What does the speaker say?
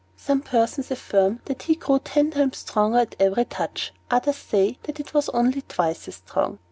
Some persons affirm that he grew ten times stronger at every touch; others say that it was only twice as strong.